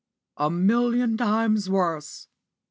"A million times worse!"